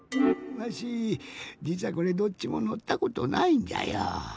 わしじつはこれどっちものったことないんじゃよ。